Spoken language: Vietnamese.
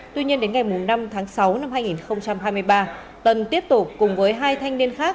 tuy nhiên đến ngày năm tháng sáu năm hai nghìn hai mươi ba tân tiếp tục cùng với hai thanh niên khác